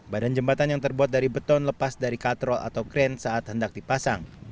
badan jembatan yang terbuat dari beton lepas dari katrol atau kren saat hendak dipasang